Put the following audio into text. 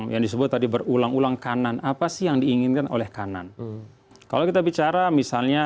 yang disebut tadi berulang ulang kanan apa sih yang diinginkan oleh kanan kalau kita bicara misalnya